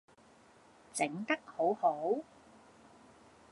整得好好